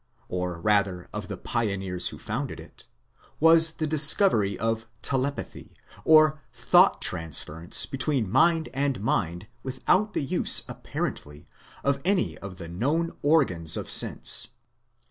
or rather of the pioneers who founded it, was the discovery of "telepathy," or thought transference between mind and mind without the use apparently of any of the known organs of sense.